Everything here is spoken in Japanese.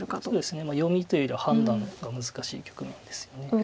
そうですね読みというより判断が難しい局面ですよね。